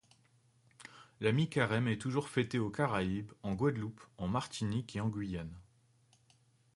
La Mi-Carême est toujours fêtée aux Caraïbes, en Guadeloupe, en Martinique et en Guyane.